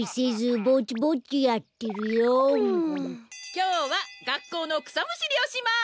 きょうはがっこうのくさむしりをします！